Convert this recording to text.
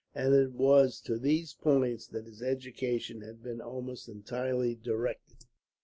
And it was to these points that his education had been almost entirely directed.